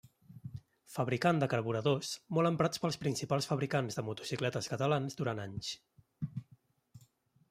Fabricant de carburadors molt emprats pels principals fabricants de motocicletes catalans durant anys.